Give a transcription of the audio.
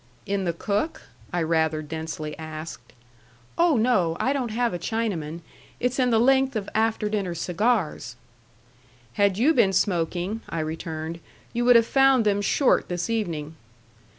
"In the cook?" I rather densely asked. "Oh, no! I don't have a Chinaman. It's in the length of after dinner cigars." "Had you been smoking," I returned, "you would have found them short this evening."